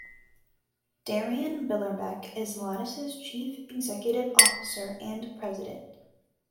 Darin Billerbeck is Lattice's chief executive officer and president.